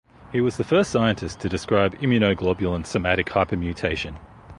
He was the first scientist to describe immunoglobulin somatic hypermutation.